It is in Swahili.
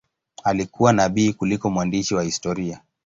Alikuwa nabii kuliko mwandishi wa historia.